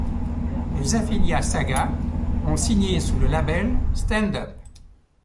Les Afilia Saga ont signé sous le label Stand-Up!